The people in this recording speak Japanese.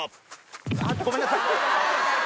あっ、ごめんなさい。